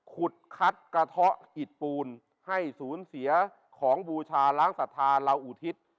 ขุดคัดกระเทาะอิดปูนให้ศูนย์เสียของบูชาล้างศรัทธาเราอุทิศ